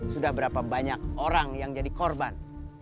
sudah berapa banyak orang yang jadi korban